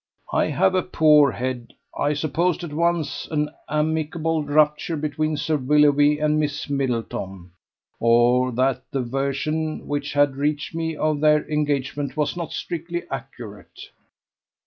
I have a poor head. I supposed at once an amicable rupture between Sir Willoughby and Miss Middleton, or that the version which had reached me of their engagement was not strictly accurate.